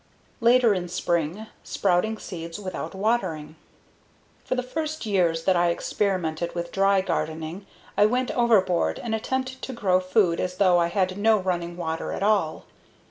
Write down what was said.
Later in Spring: Sprouting Seeds Without Watering For the first years that I experimented with dry gardening I went overboard and attempted to grow food as though I had no running water at all.